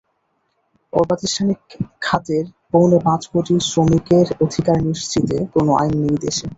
অপ্রাতিষ্ঠানিক খাতের পৌনে পাঁচ কোটি শ্রমিকের অধিকার নিশ্চিতে কোনো আইন নেই দেশে।